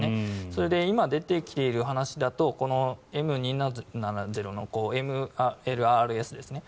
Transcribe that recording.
それで今出てきている話だとこの、ＭＬＲＳですね。